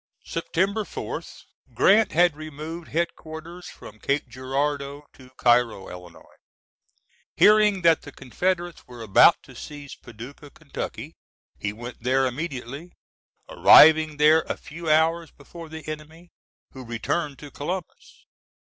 [September 4th, Grant had removed headquarters from Cape Girardeau to Cairo, Ill. Hearing that the Confederates were about to seize Paducah, Ky., he went there immediately, arriving there a few hours before the enemy, who returned to Columbus.